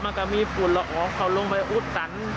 มันก็มีฝุ่นละอองเขาลงไปอุดตัน